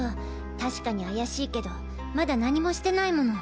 確かに怪しいけどまだ何もしてないもの。